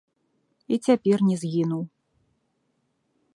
І цяпер не згінуў.